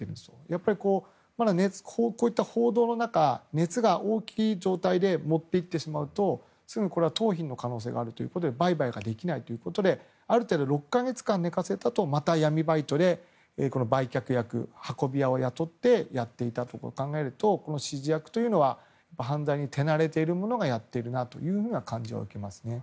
やっぱり、まだこういった報道の中熱が大きい状態で持って行ってしまうと盗品の可能性があるということで売買ができないということである程度、６か月間寝かせたあとまた闇バイトで売却役、運び屋を雇ってやっていたと考えるとこの指示役というのは犯罪に手慣れている者がやっているなという感じは受けます。